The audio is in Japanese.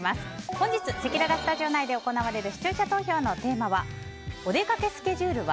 本日、せきららスタジオ内で行われる視聴者投票のテーマはおでかけスケジュールは？